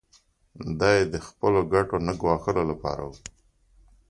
دا یې د خپلو ګټو نه ګواښلو لپاره و.